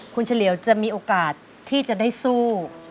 คุณเฉลี่ยวจะมีโอกาสที่จะได้สู้